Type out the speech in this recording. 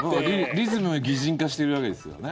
リズムを擬人化してるわけですよね。